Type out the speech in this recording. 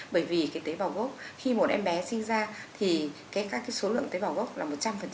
bởi vì cái tế bào gốc khi một em bé sinh ra thì các số lượng tế bảo gốc là một trăm linh